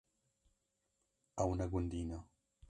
Ew ne gundî ne.